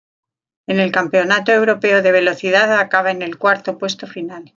En el Campeonato Europeo de Velocidad acaba en el cuarto puesto final.